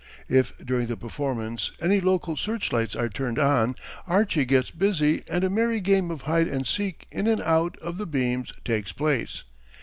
If during the performance any local searchlights are turned on "Archie" gets busy and a merry game of hide and seek in and out the beams takes place.